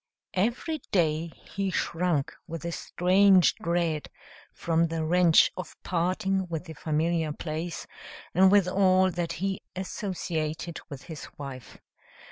Every day he shrunk with a strange dread from the wrench of parting with the familiar place and with all that he associated with his wife.